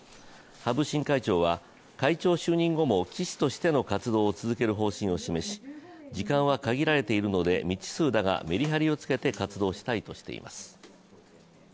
羽生新会長は会長就任後も棋士としての活動を続ける方針を示し、時間は限られているので未知数だがめりはりをつけて活動したいとしています。